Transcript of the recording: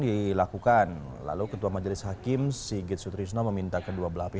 pencemaran yang berasal dari popok sekalipakai